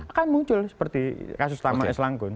akan muncul seperti kasus tamar es langkun